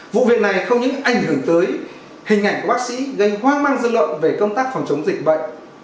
vụ việc này không những ảnh hưởng tới hình ảnh của bác sĩ gây hoang mang dư luận về công tác phòng chống dịch bệnh